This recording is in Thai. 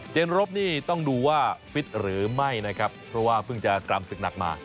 รบนี่ต้องดูว่าฟิตหรือไม่นะครับเพราะว่าเพิ่งจะกรรมศึกหนักมา